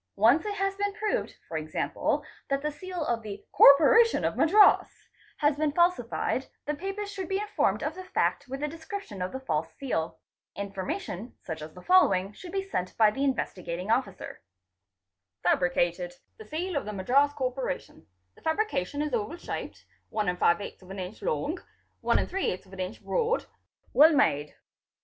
Once it has been proved, e. q., that the seal of the '' Corporation of Madras'' has been falsified, the papers should be informed of the fact with a description of the false seal. Information such as the following should be sent by the Investigating Officer :—''F'abricated—the seal of the Madras Corporation, the fabrication is oval shaped, 12 inch long, 12 inch broad, well made."